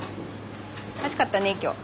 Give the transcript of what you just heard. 暑かったね今日。